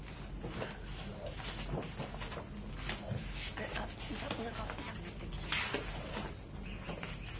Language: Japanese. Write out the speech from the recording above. またおなか痛くなってきちゃいました？